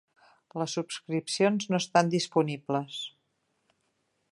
Les subscripcions no estan disponibles.